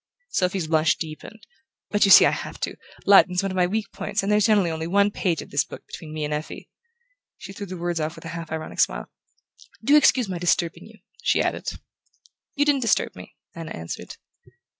Sophy's blush deepened. "But you see I have to. Latin's one of my weak points, and there's generally only one page of this book between me and Effie." She threw the words off with a half ironic smile. "Do excuse my disturbing you," she added. "You didn't disturb me," Anna answered.